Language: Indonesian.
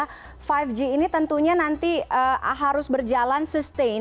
karena lima g ini tentunya nanti harus berjalan sustain